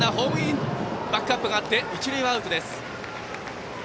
バックアップがあって一塁がアウト。